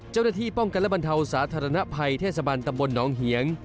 เจ้าหน้าที่ป้องกันและบรรเทาสาธารณภัยเทศบาลตำบลหนองเหียง